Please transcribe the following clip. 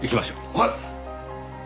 はい！